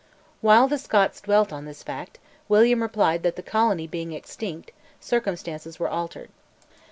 While the Scots dwelt on this fact, William replied that the colony being extinct, circumstances were altered.